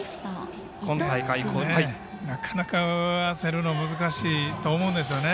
なかなか合わせるの難しいと思うんですよね。